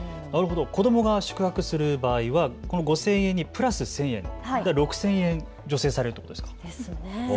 子どもが宿泊する場合はこの５０００円にプラス１０００円ということは６０００円助成されるということですね。